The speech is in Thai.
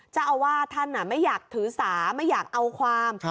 เจ้าอาวาสท่านไม่อยากถือสาไม่อยากเอาความ